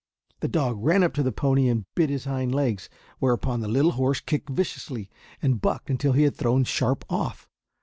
The dog ran up to the pony and bit his hind legs, whereupon the little horse kicked vigorously and bucked until he had thrown Sharp off.